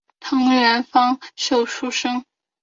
藤原芳秀出身。